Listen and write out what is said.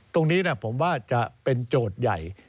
ตรงนี้ผมว่าจะเป็นโจทย์ใหญ่